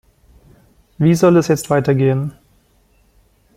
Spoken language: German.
Wie soll es jetzt weitergehen?